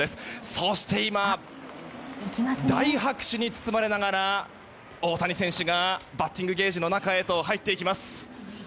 そして今、大拍手に包まれながら大谷選手がバッティングケージの中に入っていきます。